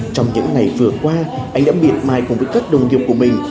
trong những ngày vừa qua anh đã biệt mai cùng với các đồng nghiệp của mình